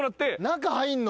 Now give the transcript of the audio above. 中入んの？